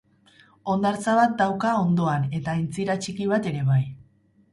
Hondartza bat dauka ondoan eta aintzira txiki bat ere bai.